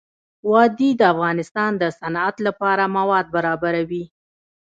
وادي د افغانستان د صنعت لپاره مواد برابروي.